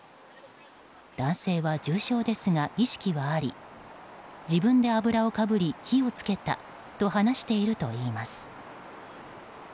男性は重傷ですが意識はあり自分で油をかぶり火を付けたと話しているといいます。